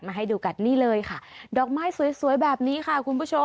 มาให้ดูกันนี่เลยค่ะดอกไม้สวยแบบนี้ค่ะ